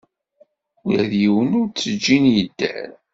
Ula d yiwen ur t-ǧǧin yedder.